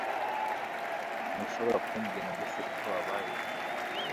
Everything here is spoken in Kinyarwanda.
Ntushobora kumbwira mbese icyo wabaye?